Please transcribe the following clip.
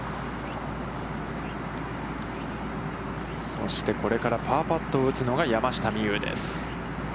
そして、これからパーパットを打つのが山下美夢有です。